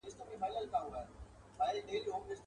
د یار دیدن آب حیات دی.